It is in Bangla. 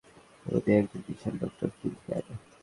উনি একজন বিশাল ডক্টর ফিল ফ্যান।